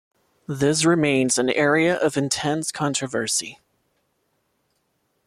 This remains an area of intense controversy.